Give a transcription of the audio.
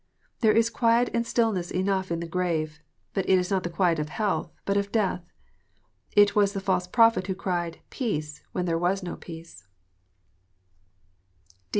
There is quiet and stillness enough in the grave, but it is not the quiet of health, but of death. It was the false prophets who cried "Peace," when there was no peace.